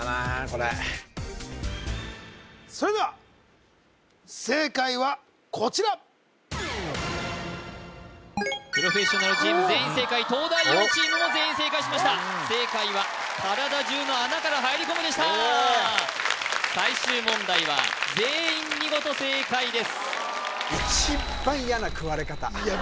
これそれでは正解はこちらプロフェッショナルチーム全員正解東大王チームも全員正解しました正解は体中の穴から入り込むでした最終問題は全員見事正解ですいや